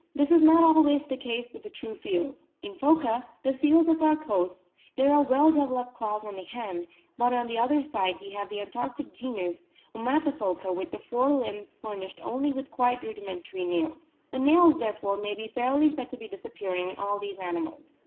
This is not always the case with the true seals ; in Phoca, the seals of our coasts, there are well developed claws on the hand, but on the other side we have the Antarctic genus, Ommato phoca, with the fore limbs furnished only with quite rudimentary nails. The nails, therefore, may be fairly said to be disappearing in all these animals.